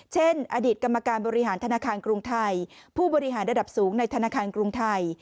เช่นอดีตกรรมการบริหารธนาคารกรุงไทยผู้บริหารระดับสูงในธนาคารกรุงไทย